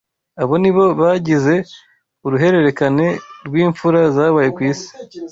Aba ni bo bagize uruhererekane rw’impfura zabaye ku isi